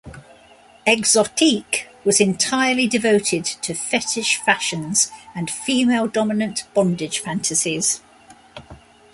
"Exotique" was entirely devoted to fetish fashions and female-dominant bondage fantasies.